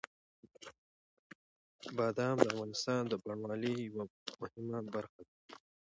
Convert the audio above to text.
بادام د افغانستان د بڼوالۍ یوه مهمه برخه ده.